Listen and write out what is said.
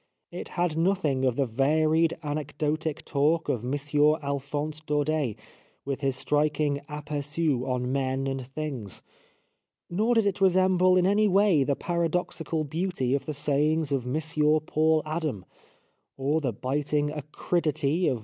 It had nothing of the varied, anecdotic talk of M. x\lphonse Daudet with his striking aperfus on men and things. Nor did it resemble in any way the paradoxical beauty of the sayings of M. Paul Adam, or the biting acridity of M.